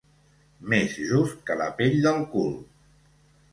Més just que la pell del cul.